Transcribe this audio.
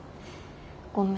ごめん。